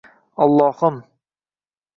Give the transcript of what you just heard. Allohim.